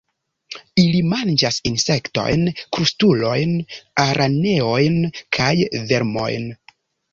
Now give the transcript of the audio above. Ili manĝas insektojn, krustulojn, araneojn kaj vermojn.